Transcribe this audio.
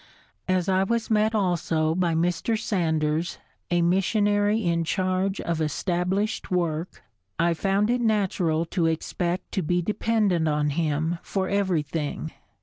As I was met also by Mr. Sanders, a missionary in charge of established work, I found it natural to expect to be dependent on him for everything.